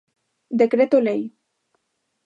Decreto Lei.